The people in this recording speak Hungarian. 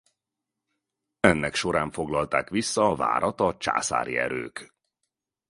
Ennek során foglalták vissza a várat a császári erők.